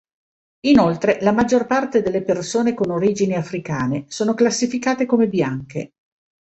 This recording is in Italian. Inoltre, la maggior parte delle persone con origini africane sono classificate come bianche".